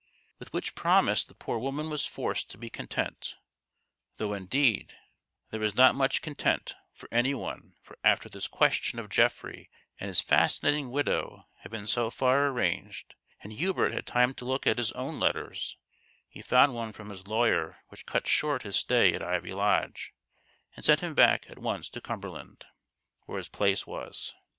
"With which promise the poor woman was forced to be content ; though, indeed, there was not much content for any one for after this question of Geoffrey and his fascinating widow had been so far arranged, and Hubert had time to look at his own letters, he found one from his lawyer which cut short his stay at Ivy Lodge, and sent him back at once to Cumberland, where his place was.